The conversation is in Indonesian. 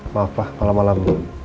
maaf pak malam malam